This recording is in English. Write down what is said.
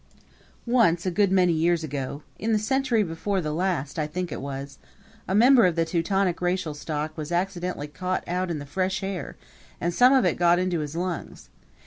Once, a good many years ago in the century before the last I think it was a member of the Teutonic racial stock was accidentally caught out in the fresh air and some of it got into his lungs.